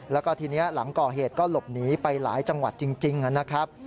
แล้วก็ทีนี้หลังก่อเหตุก็หลบหนีไปหลายจังหวัดจริงนะครับ